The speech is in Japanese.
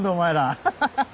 アハハハハ！